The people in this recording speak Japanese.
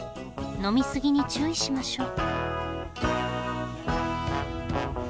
呑みすぎに注意しましょう。